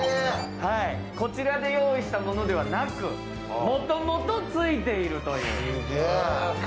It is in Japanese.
こちらで用意したものではなく、もともとついているという。